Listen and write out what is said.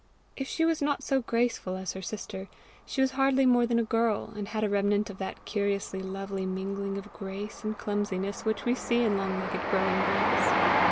If she was not so graceful as her sister, she was hardly more than a girl, and had a remnant of that curiously lovely mingling of grace and clumsiness which we see in long legged growing girls.